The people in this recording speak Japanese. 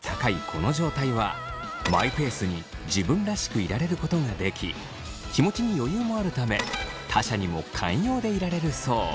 この状態はマイペースに自分らしくいられることができ気持ちに余裕もあるため他者にも寛容でいられるそう。